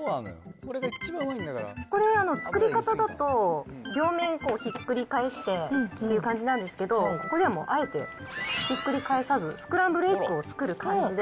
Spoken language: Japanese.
これ、作り方だと両面ひっくり返してっていう感じなんですけど、ここではもう、あえてひっくり返さず、スクランブルエッグを作る感じで。